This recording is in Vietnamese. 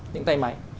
những tay máy